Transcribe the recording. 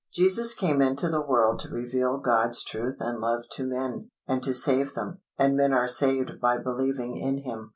Jesus came into the world to reveal God's truth and love to men, and to save them, and men are saved by believing in Him.